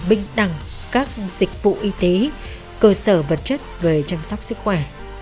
bình đẳng các dịch vụ y tế cơ sở vật chất về chăm sóc sức khỏe